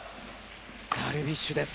ダルビッシュです。